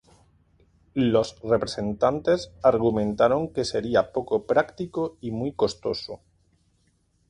Los representantes argumentaron que sería poco práctico y muy costoso.